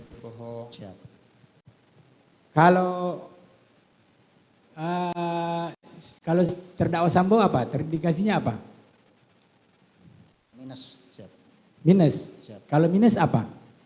berbohong kalau hai ah kalau terdakwa sampo apa terindikasinya apa minus minus kalau minus apa